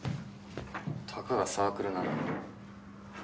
たかがサークルなのに。